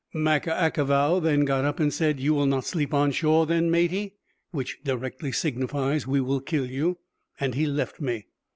Macca ackavow then got up and said, "You will not sleep on shore, then, Mattie?" (which directly signifies, we will kill you); and he left me.